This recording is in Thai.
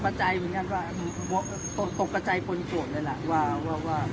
ตอนนี้กำหนังไปคุยของผู้สาวว่ามีคนละตบ